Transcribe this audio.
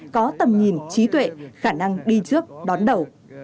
có tầm nhìn trí tuệ khả năng đi trước đón đầu